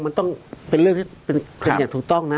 มันต้องเป็นเรื่องที่เป็นอย่างถูกต้องนะ